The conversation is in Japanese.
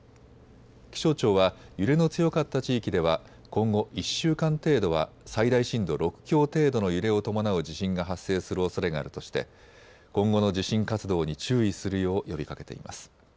気象庁は揺れの強かった地域では今後１週間程度は最大震度６強程度の揺れを伴う地震が発生するおそれがあるとして今後の地震活動に注意するよう呼びかけています。